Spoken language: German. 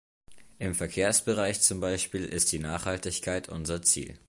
Im Verkehrsbereich zum Beispiel ist die Nachhaltigkeit unser Ziel.